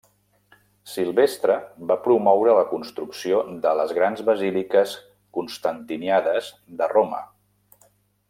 Silvestre va promoure la construcció de les grans basíliques constantinianes de Roma.